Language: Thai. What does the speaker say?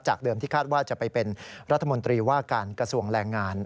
เดิมที่คาดว่าจะไปเป็นรัฐมนตรีว่าการกระทรวงแรงงาน